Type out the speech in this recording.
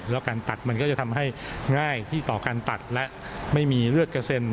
แล้วการตัดมันก็จะทำให้ง่ายที่ต่อการตัดและไม่มีเลือดกระเซ็น